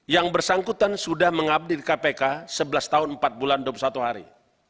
yang bersangkutan sudah mengabdi di kpk sebelas tahun empat bulan dua puluh satu hari